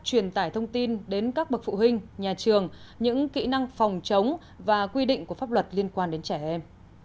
truyền tải thông tin đến các bậc phụ huynh nhà trường những kỹ năng phòng chống và quy định của pháp luật liên quan đến trẻ em